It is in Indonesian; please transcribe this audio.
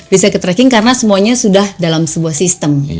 bisa ke tracking karena semuanya sudah dalam sebuah sistem